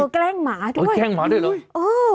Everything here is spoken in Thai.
โอ้ยแกล้งหมาด้วยโอ้ยแกล้งหมาด้วยเลยเออ